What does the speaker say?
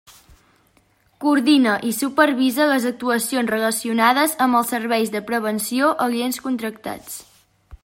Coordina i supervisa les actuacions relacionades amb els serveis de prevenció aliens contractats.